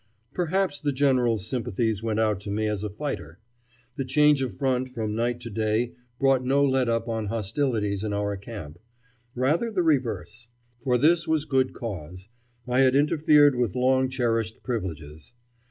Perhaps the General's sympathies went out to me as a fighter. The change of front from night to day brought no let up on hostilities in our camp; rather the reverse. For this there was good cause: I had interfered with long cherished privileges.